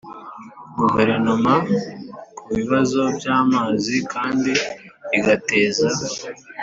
Guverinoma ku bibazo by amazi kandi igateza